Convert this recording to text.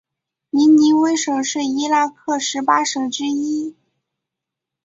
尼尼微省是伊拉克十八省之一。